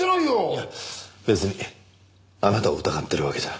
いや別にあなたを疑っているわけじゃ。